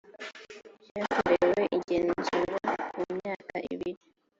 ryakorewe igenzura mu myaka ibiri